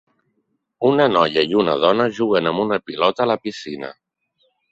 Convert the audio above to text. Una noia i una dona juguen amb una pilota a la piscina.